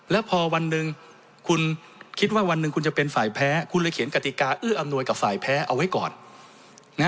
แล้วพอวันหนึ่งคุณคิดว่าวันหนึ่งคุณจะเป็นฝ่ายแพ้คุณเลยเขียนกติกาอื้ออำนวยกับฝ่ายแพ้เอาไว้ก่อน